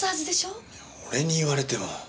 俺に言われても。